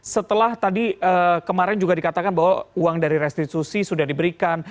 setelah tadi kemarin juga dikatakan bahwa uang dari restitusi sudah diberikan